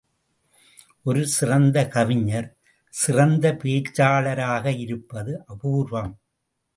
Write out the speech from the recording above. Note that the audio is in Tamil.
ஒரு சிறந்த கவிஞர், சிறந்த பேச்சாளராக இருப்பது அபூர்வம்.